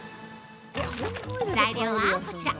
材料はこちら。